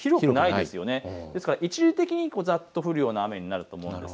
ですから一時的にざっと降るような雨となります。